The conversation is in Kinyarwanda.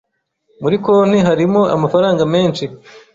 Muri konti harimo amafaranga menshi.